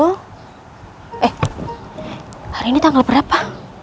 eh hari ini tanggal berapa